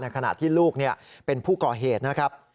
ขณะที่ลูกเป็นผู้ก่อเหตุนะครับ